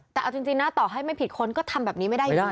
แต่เอาจริงนะต่อให้ไม่ผิดคนก็ทำแบบนี้ไม่ได้อยู่